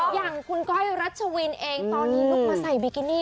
อย่างกรไรระจวินเองตอนนี้ลุกมาใส่บิกกินนี่